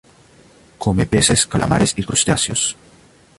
Come peces, calamares y crustáceos.